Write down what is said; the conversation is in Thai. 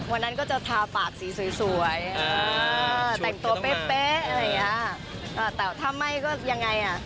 วันนั้นก็จะทาปากสีสวยสวยแต่งตัวเป๊ะเป๊ะอะไรอย่างเงี้ยแต่ถ้าไม่ก็ยังไงอ่ะ